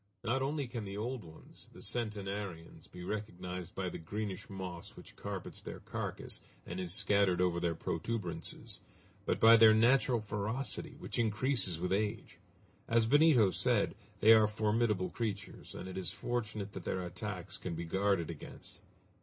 Not only can the old ones, the centenarians, be recognized by the greenish moss which carpets their carcass and is scattered over their protuberances, but by their natural ferocity, which increases with age. As Benito said, they are formidable creatures, and it is fortunate that their attacks can be guarded against.